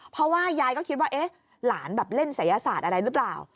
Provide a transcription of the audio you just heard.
เพราะว่ายายก็คิดว่าเอ๊ะหลานแบบเล่นศัยศาสตร์อะไรหรือเปล่า